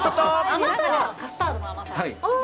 甘さはカスタードの甘さです。